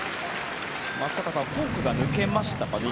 松坂さんフォークが抜けましたかね